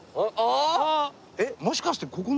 えっもしかしてここの。